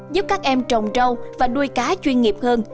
giúp các em trồng rau và nuôi cá chuyên nghiệp hơn